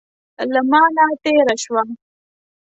له مانه تېره شوه.